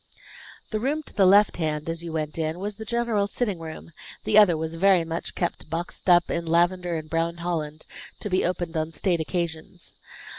The room to the left hand, as you went in, was the general sitting room; the other was very much kept boxed up in lavender and brown Holland, to be opened on state occasions.